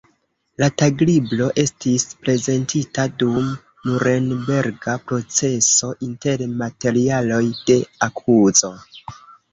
La taglibro estis prezentita dum Nurenberga proceso inter materialoj de akuzo.